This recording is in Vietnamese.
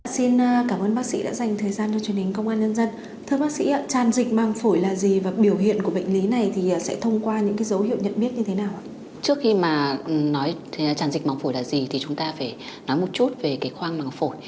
xin cảm ơn bác sĩ đã dành thời gian cho truyền hình công an nhân dân